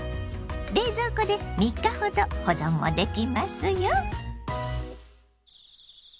冷蔵庫で３日ほど保存もできますよ。